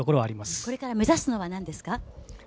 これから目指すのは何ですか？